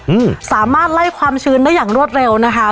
อืมสามารถไล่ความชื้นได้อย่างรวดเร็วนะคะ